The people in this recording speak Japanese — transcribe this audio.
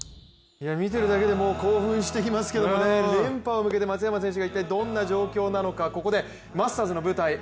見ているだけで興奮してきますけれども連覇に向けて松山選手がどんな状況なのか、ここでマスターズの舞台